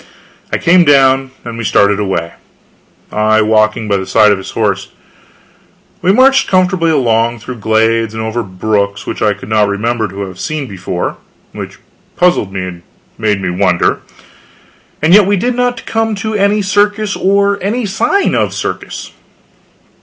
I came down, and we started away, I walking by the side of his horse. We marched comfortably along, through glades and over brooks which I could not remember to have seen before which puzzled me and made me wonder and yet we did not come to any circus or sign of a circus.